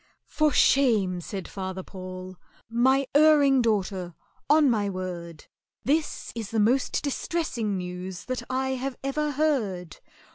"For shame!" said FATHER PAUL, "my erring daughter! On my word This is the most distressing news that I have ever heard.